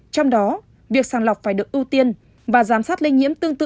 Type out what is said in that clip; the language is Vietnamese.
trong đó việc sàng lọc phải được ưu tiên và giám sát lây nhiễm tương tự